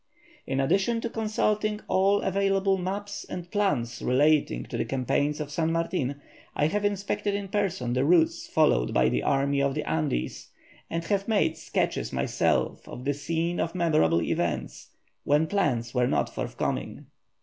In addition to consulting all available maps and plans relating to the campaigns of San Martin, I have inspected in person the routes followed by the army of the Andes and have made sketches myself of the scene of memorable events when plans were not forthcoming.